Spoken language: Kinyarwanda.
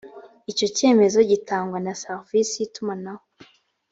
icyo cyemezo gitangwa na serivisi y’itumanaho